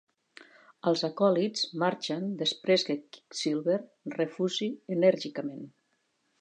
Els acòlits marxen després que Quicksilver refusi enèrgicament.